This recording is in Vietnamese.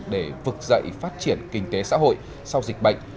để vực dậy phát triển kinh tế xã hội sau dịch bệnh